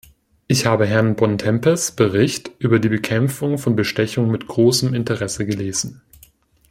Ich habe Herrn Bontempis Bericht über die Bekämpfung von Bestechung mit großem Interesse gelesen.